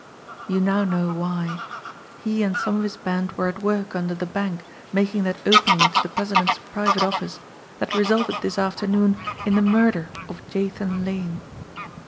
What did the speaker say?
"You now know why. He and some of his band were at work under the bank making that opening into the president's private office that resulted this afternoon in the murder of Jathan Lane.